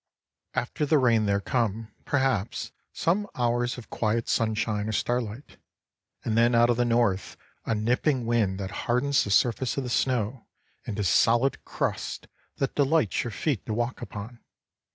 After the rain there come, perhaps, some hours of quiet sunshine or starlight, and then out of the north a nipping wind that hardens the surface of the snow into solid crust that delights your feet to walk upon.